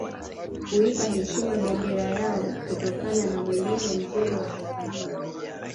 Kuipa heshima bendera yao kutokana na mwenendo mzuri wa taifa hilo